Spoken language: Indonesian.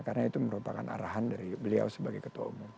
karena itu merupakan arahan dari beliau sebagai ketua umum